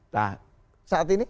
nah saat ini